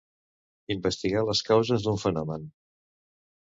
Investigar les causes d'un fenomen.